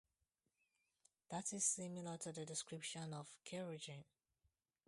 That is similar to the description for kerogen.